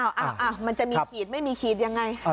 มันจะมีขีดไม่มีขีดยังไง